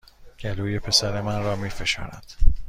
گلوی پسر را می فشارد